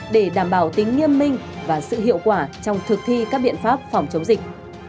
để đảm bảo tính nghiêm minh và sự hiệu quả trong thực thi các biện pháp phòng chống dịch